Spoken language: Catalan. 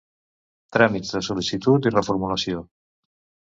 Tràmits de sol·licitud i reformulació.